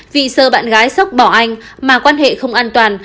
vì sợ bạn gái sốc bỏ anh mà quan hệ không an toàn